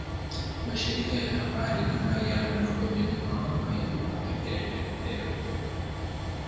Mashirika ya habari kama yana mapendeleo au hayana mapenmdeleo